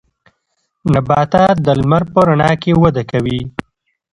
نباتات د لمر په رڼا کې وده کوي.